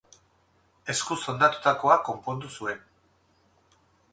Eskuz hondatutakoa konpondu zuen.